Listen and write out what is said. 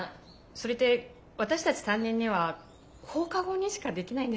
それって私たち担任には放課後にしかできないんです。